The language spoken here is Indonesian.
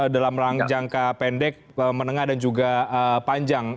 dalam jangka pendek menengah dan juga panjang